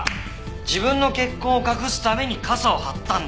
自分の血痕を隠すために傘を張ったんだ。